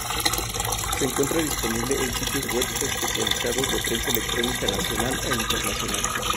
Se encuentra disponible en sitios web especializados de prensa electrónica nacional e internacional.